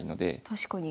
確かに。